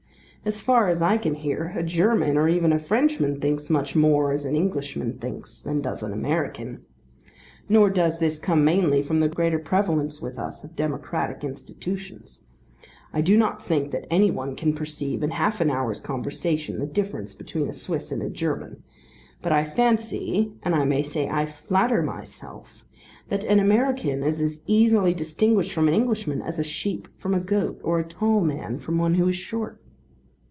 As far as I can hear a German or even a Frenchman thinks much more as an Englishman thinks than does an American. Nor does this come mainly from the greater prevalence with us of democratic institutions. I do not think that any one can perceive in half an hour's conversation the difference between a Swiss and a German; but I fancy, and I may say I flatter myself, that an American is as easily distinguished from an Englishman, as a sheep from a goat or a tall man from one who is short.